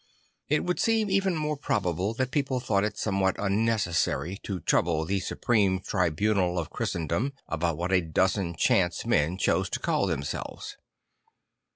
It would seem even more probable that people thought it somewhat unnecessary to trouble the supreme tribunal of Christendom about what a dozen chance men chose to call themselves.